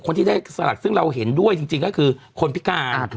คนที่ได้สลักซึ่งเราเห็นด้วยจริงก็คือคนพิการ